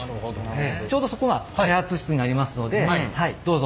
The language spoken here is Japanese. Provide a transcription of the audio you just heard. ちょうどそこが開発室になりますのでどうぞ。